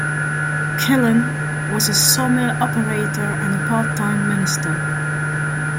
Killen was a sawmill operator and a part-time minister.